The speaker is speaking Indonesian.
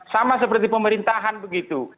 sama seperti pemerintahan begitu